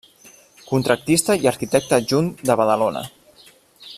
Contractista i arquitecte adjunt de Badalona.